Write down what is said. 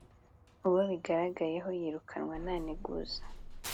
uwobigaragayeho yirukanwa nta nteguza